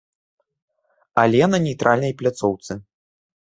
Але на нейтральнай пляцоўцы.